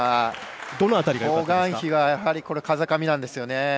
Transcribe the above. ホ・グァンヒは風上なんですよね。